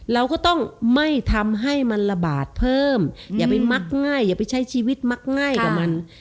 เราก็ต้องไม่ทำให้มันระบาดเพิ่มอย่าไปมักง่ายอย่าไปใช้ชีวิตมักง่ายกับมัน